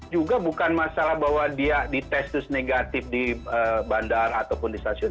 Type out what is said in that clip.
juga bukan masalah bahwa dia di testus negatif di bandar ataupun di stasiun